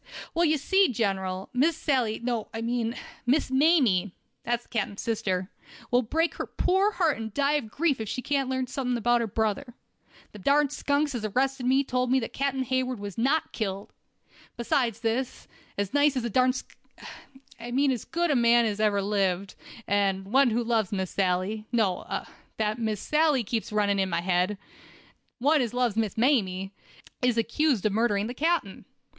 "Well, ye see, General, Miss Sally—no, I mean Miss Mamie—that's the captain's sister—will break her poor heart and die of grief if she can't learn something about her brother. Them darn skunks as arrested me told me that Captain Hayward was not killed. Besides this, as nice a darn sk— I mean as good a man as ever lived, and one who loves Miss Sally—no—that Miss Sally keeps running in my head—one as loves Miss Mamie, is accused of murdering the captain.